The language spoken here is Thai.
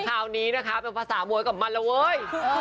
คราวนี้นะคะเป็นภาษามวยกับมันแล้วเว้ย